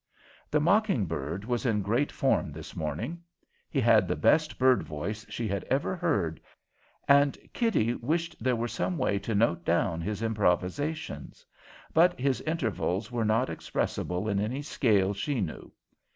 The mocking bird was in great form this morning. He had the best bird voice she had ever heard, and Kitty wished there were some way to note down his improvisations; but his intervals were not expressible in any scale she knew.